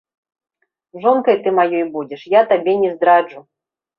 Жонкай ты маёй будзеш, я табе не здраджу.